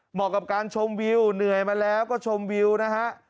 เหมาะกับการชมวิวเหนื่อยมาแล้วก็ชมวิวนะฮะ